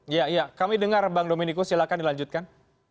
iya iya kami dengar bang dominikus silahkan dilanjutkan